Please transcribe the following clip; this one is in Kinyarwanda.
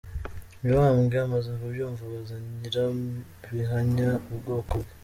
Mibambwe amaze kubyumva, abaza Nyirabihanya ubwoko bwe.